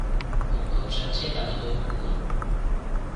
紅磡上車但係去紅館？